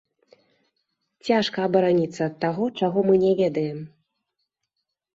Цяжка абараніцца ад таго, чаго мы не ведаем.